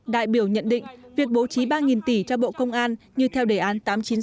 đại biểu nhận định việc bố trí ba tỷ cho bộ công an như theo đề án tám trăm chín mươi sáu